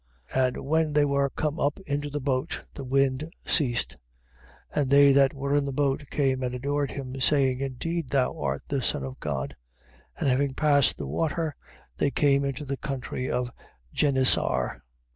14:32. And when they were come up into the boat, the wind ceased. 14:33. And they that were in the boat came and adored him, saying: Indeed thou art the Son of God. 14:34. And having passed the water, they came into the country of Genesar.